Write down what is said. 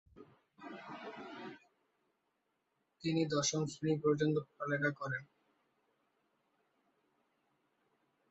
তিনি দশম শ্রেণী পর্যন্ত পড়ালেখা করেন।